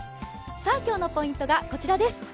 今日のポイントがこちらです。